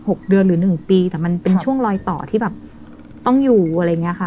เดือนหรือหนึ่งปีแต่มันเป็นช่วงลอยต่อที่แบบต้องอยู่อะไรอย่างเงี้ยค่ะ